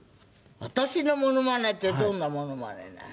私のモノマネってどんなモノマネなの？